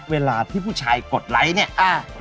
เวลาที่ผู้ชายกดไลค์เนี่ย